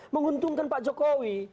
menguntungkan pak jokowi